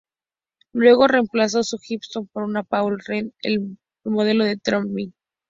Luego reemplazo su Gibson por una Paul Reed Smith, el modelo de Tremonti.